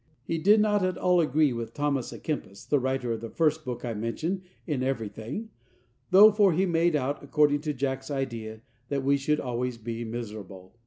He did not at all agree with Thomas à Kempis, the writer of the first book I mentioned, in everything, though, for he made out, according to Jack's idea, that we should always be miserable.